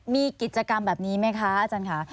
มีกิจกรรมแบบนี้ไหมคะอาจารย์ค่ะ